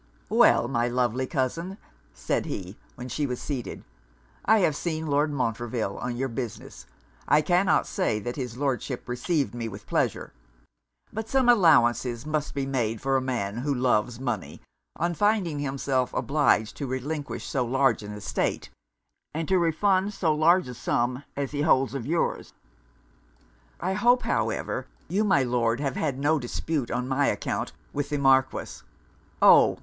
'Well, my lovely cousin,' said he, when she was seated, 'I have seen Lord Montreville on your business. I cannot say that his Lordship received me with pleasure. But some allowances must be made for a man who loves money, on finding himself obliged to relinquish so large an estate, and to refund so large a sum as he holds of yours.' 'I hope, however, you, my Lord, have had no dispute on my account with the Marquis?' 'Oh!